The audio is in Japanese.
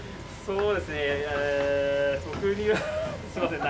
そうですね。